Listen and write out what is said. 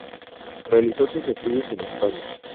Realizó sus estudios en España.